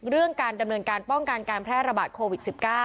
เรื่องการดำเนินการป้องกันการแพร่ระบาดโควิด๑๙